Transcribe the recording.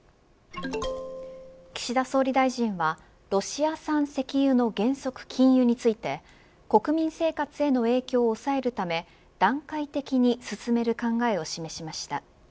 岸田総理大臣はロシア産石油の原則禁輸について国民生活への影響を抑えるため段階的に進める考えを示しました。